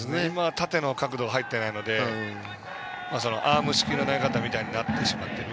縦の角度が入ってないのでアーム式の投げ方みたいになってしまっている。